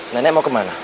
nenek mau kemana